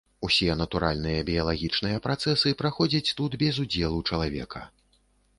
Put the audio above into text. Усе натуральныя біялагічныя працэсы праходзяць тут без удзелу чалавека.